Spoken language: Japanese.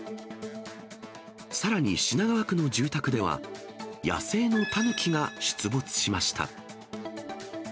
さらに品川区の住宅では、野生のタヌキが出没しました。